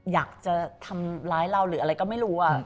อยากจะทำร้ายเราหรืออะไรก็ไม่รู้